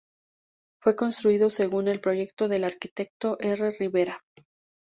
Fue construido según el proyecto del arquitecto R. Rivera.